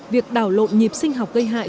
việc đảo lộn nhịp sinh học gây hại